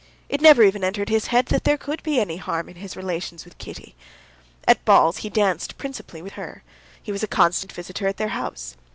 It never even entered his head that there could be any harm in his relations with Kitty. At balls he danced principally with her. He was a constant visitor at their house.